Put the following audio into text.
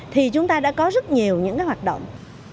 thì chúng ta đã có rất nhiều những cái hoạt động